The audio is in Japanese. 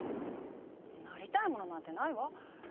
なりたいものなんてないわ。